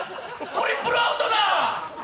トリプルアウトだ！